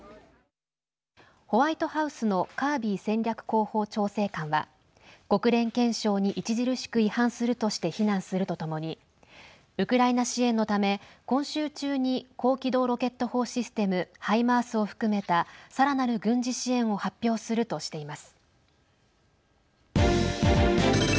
ホワイトハウスのカービー戦略広報調整官は国連憲章に著しく違反するとして非難するとともにウクライナ支援のため今週中に高機動ロケット砲システム＝ハイマースを含めた、さらなる軍事支援を発表するとしています。